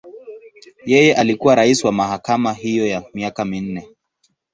Yeye alikuwa rais wa mahakama hiyo kwa miaka minne.